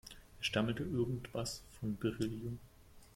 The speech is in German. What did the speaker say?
Er stammelte irgendwas von Beryllium.